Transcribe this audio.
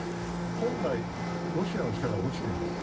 本来ロシアの力は落ちています。